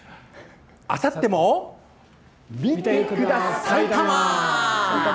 あさっても見てくださいたま！